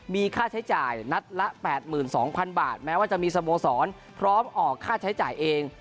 มีค่าใช้จ่ายนัดละ๘๒๐๐๐บาทแม้ว่าจะมีสโมสรพร้อมออกค่าใช้จ่ายเอง